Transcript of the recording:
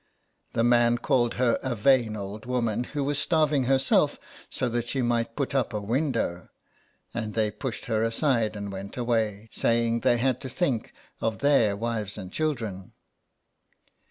The man called her a vain old woman, who was starving herself so that she might put up a window, and they pushed her aside and went away, saying they had to think of their wives and children.